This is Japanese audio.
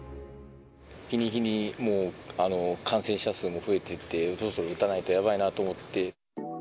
日に日にもう感染者数も増えてて、そろそろ打たないとやばいなと思って。